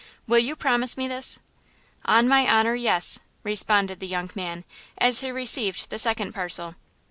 Will you promise me this?" "On my honor, yes," responded the young man, as he received the second parcel.